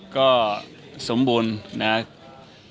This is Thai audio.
ก็สมบูรณ์นะครับ